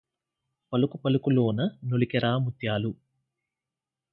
పలుకుపలుకులోన నొలికెరా ముత్యాలు